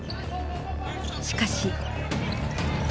しかし。